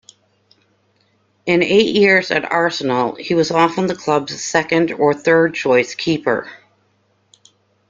In eight years at Arsenal he was often the club's second or third-choice keeper.